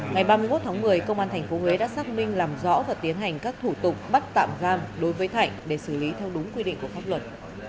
ngày ba mươi một tháng một mươi công an tp huế đã xác minh làm rõ và tiến hành các thủ tục bắt tạm giam đối với thạnh để xử lý theo đúng quy định của pháp luật